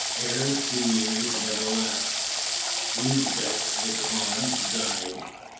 Ere two years had elapsed, Usbeck, the khan, died.